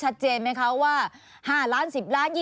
สนุนโดยน้ำดื่มสิง